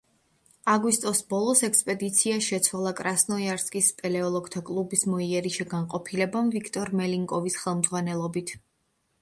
აგვისტოს ბოლოს ექსპედიცია შეცვალა კრასნოიარსკის სპელეოლოგთა კლუბის მოიერიშე განყოფილებამ ვიქტორ მელნიკოვის ხელმძღვანელობით.